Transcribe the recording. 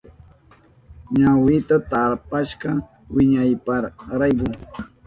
Ñawinta tapashka wiñaypayrayku.